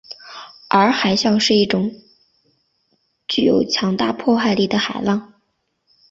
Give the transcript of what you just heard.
而海啸是一种具有强大破坏力的海浪。